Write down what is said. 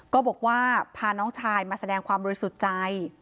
ก็บอกว่าพาน้องชายมาแสดงความบริสุทธิ์ใจ